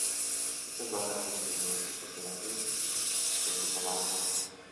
Estas bajas se imprimían en papel azul, del que tomaron su nombre.